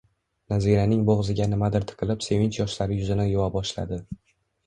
Naziraning bo`g`ziga nimadir tiqilib sevinch yoshlari yuzini yuva boshladi